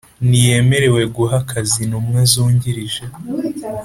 Ntiyemerewe guha akazi intumwa zungirije